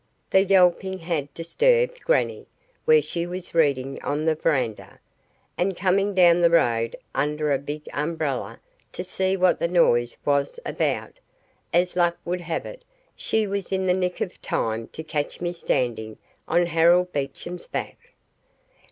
The yelping had disturbed grannie where she was reading on the veranda, and coming down the road under a big umbrella to see what the noise was about, as luck would have it she was in the nick of time to catch me standing on Harold Beecham's back.